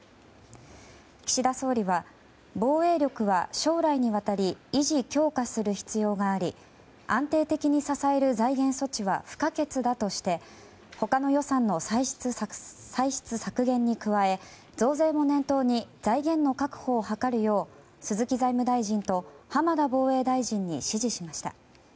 岸田総理は防衛力は将来にわたり維持、強化する必要があり安定的に支える財源措置は不可欠だとして他の予算の歳出削減に加え増税も念頭に財源の確保を図るよう鈴木財務大臣と浜田防衛大臣に指示しました。